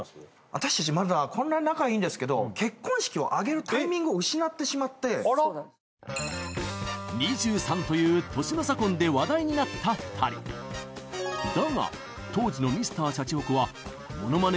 私たちこんなに仲いいんですけど結婚式を挙げるタイミングを失ってしまって２３という年の差婚で話題になった２人だが当時のＭｒ．シャチホコはモノマネ